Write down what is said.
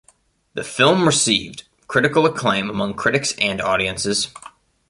The film received critical acclaim among critics and audiences.